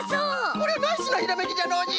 これナイスなひらめきじゃノージー。